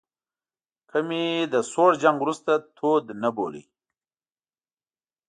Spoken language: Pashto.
که مې له سوړ جنګ وروسته تود نه بولئ.